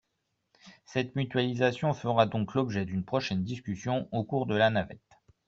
Cette mutualisation fera donc l’objet d’une prochaine discussion au cours de la navette.